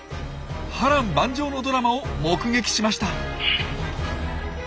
波乱万丈のドラマを目撃しました。